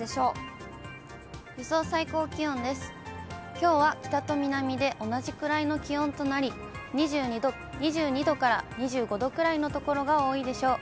きょうは北と南で同じくらいの気温となり、２２度から２５度くらいの所が多いでしょう。